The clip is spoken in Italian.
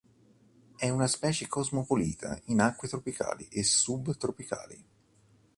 È una specie cosmopolita in acque tropicali e subtropicali.